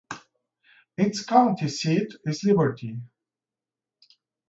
Its county seat is Liberty.